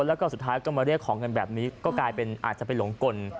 แล้วก็สุดท้ายก็มาเรียกของเงินแบบนี้ก็กลายเป็นอาจจะไปหลงกล